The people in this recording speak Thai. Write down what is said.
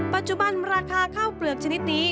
ปัจจุบันราคาข้าวเปลือกชนิดนี้